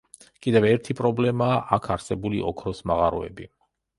კიდევ ერთი პრობლემაა აქ არსებული ოქროს მაღაროები.